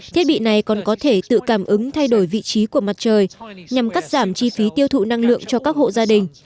thiết bị này còn có thể tự cảm ứng thay đổi vị trí của mặt trời nhằm cắt giảm chi phí tiêu thụ năng lượng cho các hộ gia đình